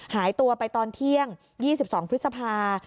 หายตัวไปตอนเที่ยง๒๒พฤษภา